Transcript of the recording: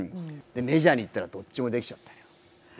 でメジャーに行ったらどっちもできちゃったよ。